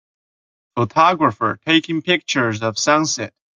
Photographer taking pictures of sunset.